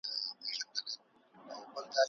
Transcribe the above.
ځان غوښتلې ځان وژنه کله پېښيږي؟